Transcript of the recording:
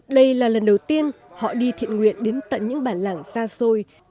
đây là lần đầu tiên họ đi thiện nguyện đến tận những bản làng xa xôi